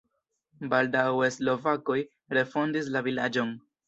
Baldaŭe slovakoj refondis la vilaĝon.